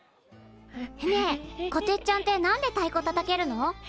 ねえこてっちゃんって何でたいこたたけるの？